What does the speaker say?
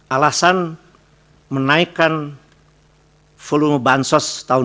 alasan menaikkan volume bansos tahun dua ribu dua puluh